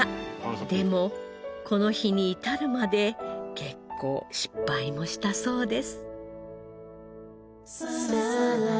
でもこの日に至るまで結構失敗もしたそうです。